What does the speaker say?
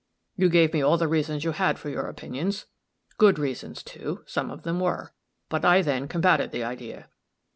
You gave me all the reasons you had for your opinions good reasons, too, some of them were; but I then combated the idea.